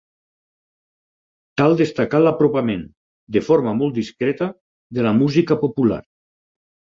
Cal destacar l'apropament, de forma molt discreta, de la música popular.